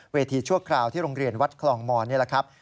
ชั่วคราวที่โรงเรียนวัดคลองมอนนี่แหละครับ